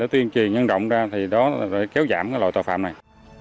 tuyên truyền nhân động ra thì đó là để kéo giảm loại tội phạm này